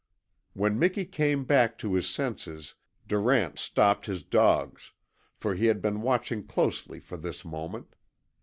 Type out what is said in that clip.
When Miki came back to his senses Durant stopped his dogs, for he had been watching closely for this moment.